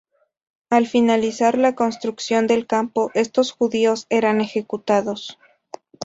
Al finalizar la construcción del campo, estos judíos eran ejecutados.